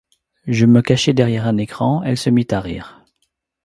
Je me cachai derrière un écran ; elle se mit à rire.